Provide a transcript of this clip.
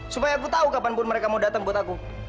supaya aku tahu kapanpun mereka mau datang buat aku